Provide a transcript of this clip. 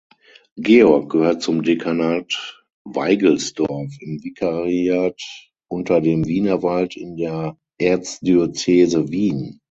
Georg gehört zum Dekanat Weigelsdorf im Vikariat Unter dem Wienerwald in der Erzdiözese Wien.